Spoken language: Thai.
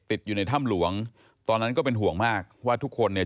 ติดอยู่ในถ้ำหลวงตอนนั้นก็เป็นห่วงมากว่าทุกคนเนี่ย